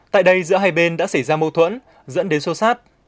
tại đây giữa hai bên đã xảy ra mâu thuẫn dẫn đến sâu sát